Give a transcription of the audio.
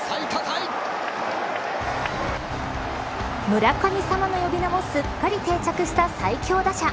村神様の呼び名もすっかり定着した最強打者。